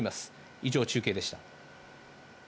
以上、中継でした。